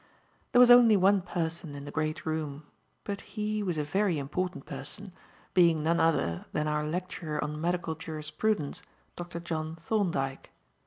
There was only one person in the great room; but he was a very important person; being none other than our lecturer on Medical Jurisprudence, Dr. John Thorndyke.